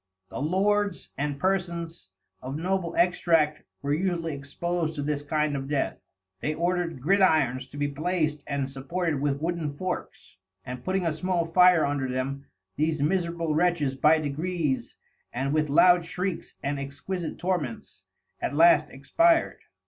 The Lords and Persons of Noble Extract were usually expos'd to this kind of Death; they order'd Gridirons to be placed and supported with wooden Forks, and putting a small Fire under them, these miserable Wretches by degrees and with loud Shreiks and exquisite Torments, at last Expir'd.